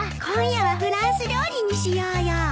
今夜はフランス料理にしようよ。